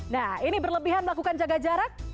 nah ini berlebihan melakukan jaga jarak